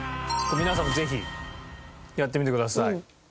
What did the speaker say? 皆さんもぜひやってみてください。